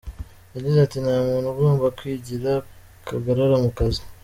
Yagize ati “Nta muntu ugomba kwigira kagarara mu kazi.